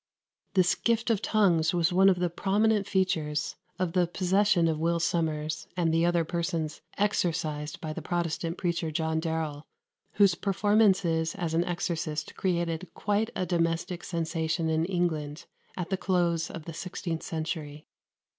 This gift of tongues was one of the prominent features of the possession of Will Sommers and the other persons exorcised by the Protestant preacher John Darrell, whose performances as an exorcist created quite a domestic sensation in England at the close of the sixteenth century.